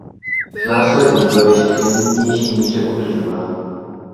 Následně byl ještě v nejnutnější míře udržován.